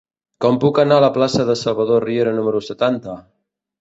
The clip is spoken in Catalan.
Com puc anar a la plaça de Salvador Riera número setanta?